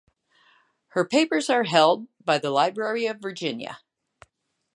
Her papers are held by the Library of Virginia.